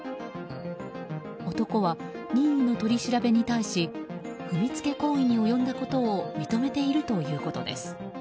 男は、任意の取り調べに対し踏みつけ行為に及んだことを認めているということです。